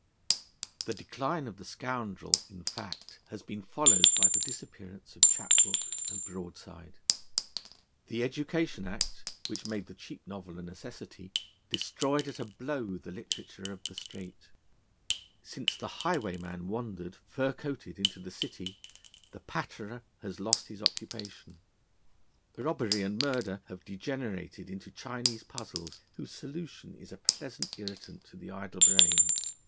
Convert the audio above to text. The decline of the Scoundrel, in fact, has been followed by the disappearance of chap book and broadside. The Education Act, which made the cheap novel a necessity, destroyed at a blow the literature of the street. Since the highwayman wandered, fur coated, into the City, the patterer has lost his occupation. Robbery and murder have degenerated into Chinese puzzles, whose solution is a pleasant irritant to the idle brain.